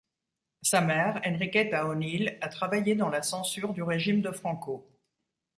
Sa mère, Enriqueta O'Neill, a travaillé dans la censure du Régime de Franco.